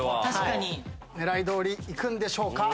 狙いどおりいくんでしょうか。